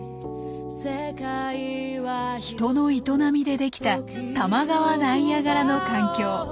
人の営みでできた多摩川ナイアガラの環境。